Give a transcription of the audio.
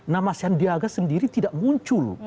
nama sandiaga sendiri tidak muncul